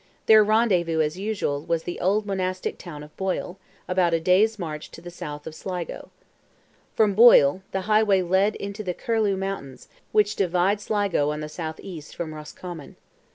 Their rendezvous, as usual, was the old monastic town of Boyle, about a day's march to the south of Sligo. From Boyle, the highway led into the Curlieu mountains, which divide Sligo on the south east from Roscommon.